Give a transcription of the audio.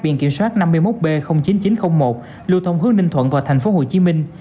biển kiểm soát năm mươi một b chín nghìn chín trăm linh một lưu thông hướng ninh thuận vào thành phố hồ chí minh